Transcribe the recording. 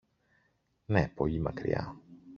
Ναι, πολύ μακριά!